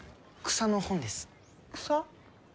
草！？